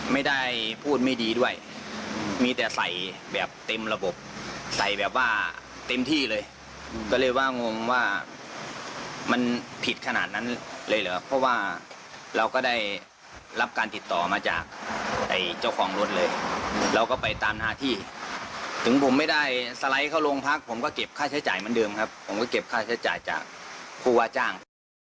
ไม่ได้พูดไม่ดีด้วยมีแต่ใส่แบบเต็มระบบใส่แบบว่าเต็มที่เลยก็เลยว่างงว่ามันผิดขนาดนั้นเลยเหรอเพราะว่าเราก็ได้รับการติดต่อมาจากเจ้าของรถเลยเราก็ไปตามหน้าที่ถึงผมไม่ได้สไลด์เข้าโรงพักผมก็เก็บค่าใช้จ่ายเหมือนเดิมครับผมก็เก็บค่าใช้จ่ายจากผู้ว่าจ้าง